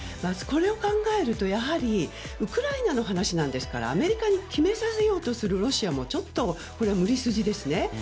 これを考えると、やはりウクライナの話なんですからアメリカに決めさせようとするロシアも無理筋ですね。